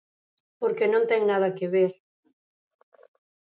Porque non ten nada que ver.